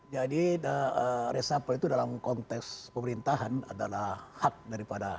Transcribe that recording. jadi reshuffle itu dalam konteks pemerintahan adalah hak daripada